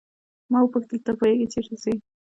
ما وپوښتل ته پوهیږې چې چیرې ځې.